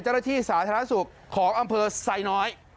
เจ้าหน้าที่สาธารณสุขของอำเภอไส่น้อย